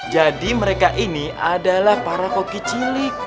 jadi mereka ini adalah para koki cilik